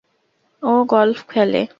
ও golf খেলে।